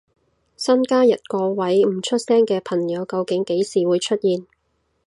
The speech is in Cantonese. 新加入嗰位唔出聲嘅朋友究竟幾時會出現？